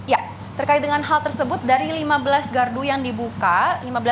ya terkait dengan hal tersebut dari lima belas gardu yang dibuka